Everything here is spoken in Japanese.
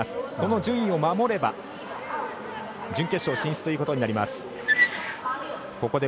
この順位を守れば準決勝進出ということになります。